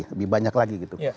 lebih banyak lagi gitu